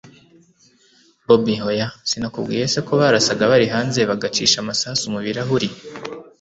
bobi hoya! sinakubwiye se ko barasaga bari hanze, bagacisha amasasu mubirahuri